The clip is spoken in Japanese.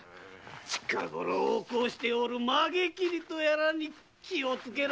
近ごろ横行しておる「髷切り」とやらに気をつけろ！